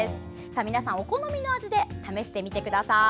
皆さん、お好みの味で試してみてください。